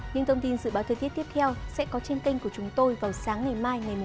những thông tin dự báo thời tiết tiếp theo sẽ có trên kênh của chúng tôi vào sáng ngày mai ngày một mươi